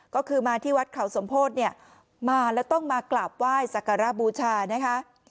ก็คือมาที่วัดเขาสมโภษมาแล้วต้องกลับว่ายสักกรบุชานะคะ